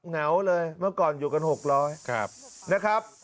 เหงาเลยเมื่อก่อนอยู่กัน๖๐๐นะครับ